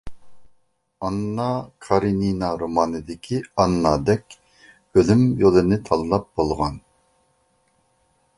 ئاننا كارىنىنا رومانىدىكى ئاننادەك ئۆلۈم يولىنى تاللاپ بولغان،